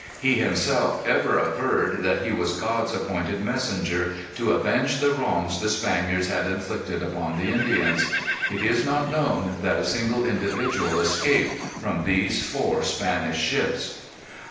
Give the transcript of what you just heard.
He himself ever averred that he was God's appointed messenger, to avenge the wrongs the Spaniards had inflicted upon the Indians. It is not known that a single individual escaped from these four Spanish ships.